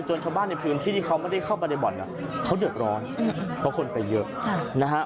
ชาวบ้านในพื้นที่ที่เขาไม่ได้เข้าไปในบ่อนเขาเดือดร้อนเพราะคนไปเยอะนะฮะ